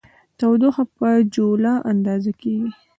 تودوخه په جولا اندازه کېږي.